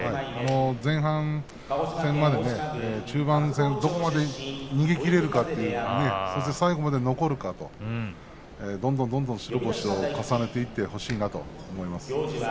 前半戦、中盤戦どこまで逃げきれるか、そして最後まで残るかというどんどんどんどん白星を重ねていってほしいなと思います。